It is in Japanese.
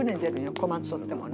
困っとってもね。